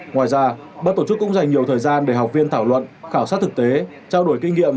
ngoài ra bác tổ chức cũng dành nhiều thời gian để học viên thảo luận khảo sát thực tế trao đổi kinh nghiệm